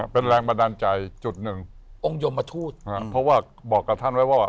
เป็นแรงประดานใจจุดหนึ่งองค์โยมมาทูต